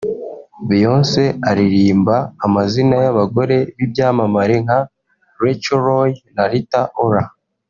Beyonce aririmba amazina y’abagore b’ibyamamare nka Rachel Roy na Rita Ora